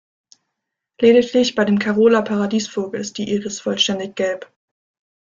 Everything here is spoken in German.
Lediglich bei dem Carola-Paradiesvogel ist die Iris vollständig gelb.